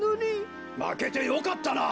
まけてよかったな。